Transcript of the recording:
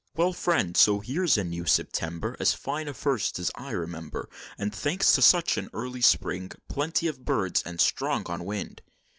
"Well, Friend, so here's a new September, As fine a first as I remember; And, thanks to such an early Spring, Plenty of birds, and strong on wing."